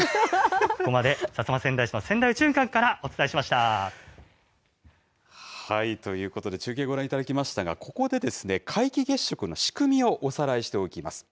ここまで薩摩川内市のせんだい宇ということで、中継ご覧いただきましたが、ここで、皆既月食の仕組みをおさらいしておきます。